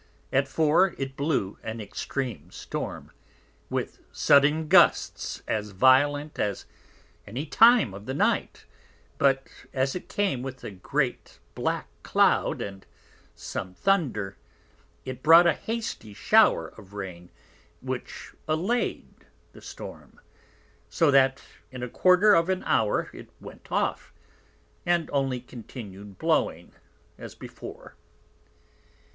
At Four it blew an extreme Storm, with Sudden Gusts as violent as any time of the Night; but as it came with a great black Cloud, and some Thunder, it brought a hasty Shower of Rain which allay'd the Storm: so that in a quarter of an Hour it went off, and only continued blowing as before.